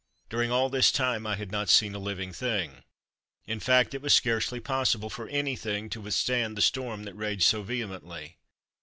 During all this time I had not seen a living thing; in fact it was scarcely possible for anything to withstand the storm that raged so vehemently.